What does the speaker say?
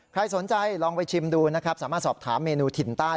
ใครสนใจลองไปชิมดูนะครับสามารถสอบถามเมนูถิ่นใต้